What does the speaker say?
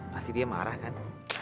pasti dia marah kan